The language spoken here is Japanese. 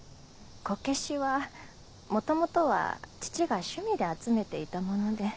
こけしは元々は父が趣味で集めていたもので。